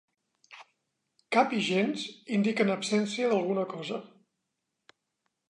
Cap i gens indiquen absència d'alguna cosa.